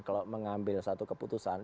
kalau mengambil satu keputusan